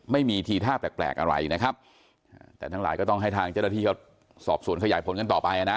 ไม่มีทีท่าแปลกแปลกอะไรนะครับแต่ทั้งหลายก็ต้องให้ทางเจ้าหน้าที่เขาสอบสวนขยายผลกันต่อไปอ่ะนะ